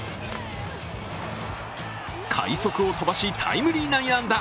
快足を飛ばし、タイムリー内野安打